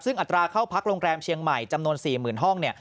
ซึ่งอัตราเข้าพักโรงแรมเชียงใหม่จำนวน๔๐๐๐ห้องเนี่ย